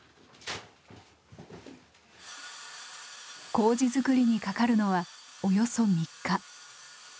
麹づくりにかかるのはおよそ３日。